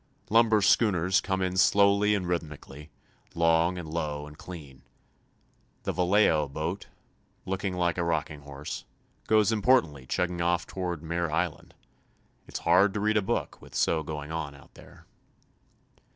Lumber schooners come in slowly and rhythmically, long and low and clean. The Vallejo boat, looking like a rocking horse, goes importantly chugging off toward Mare Island. It's hard to read a book with so going on out there.